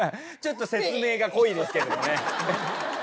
ちょっと説明が濃いですけれどもね。